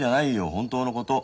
本当のこと。